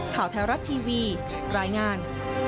ข่าวไทยรัฐทีวีรายงาน